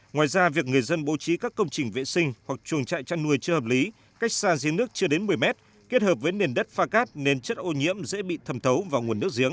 ngoài ra việc người dân bố trí các công trình vệ sinh hoặc chuồng trại chăn nuôi chưa hợp lý cách xa dưới nước chưa đến một mươi mét kết hợp với nền đất pha cát nên chất ô nhiễm dễ bị thầm thấu vào nguồn nước giế